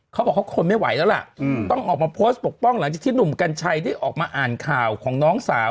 เขาบอกเขาทนไม่ไหวแล้วล่ะต้องออกมาโพสต์ปกป้องหลังจากที่หนุ่มกัญชัยได้ออกมาอ่านข่าวของน้องสาว